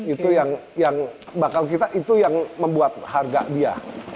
itu yang bakal kita itu yang membuat harga dia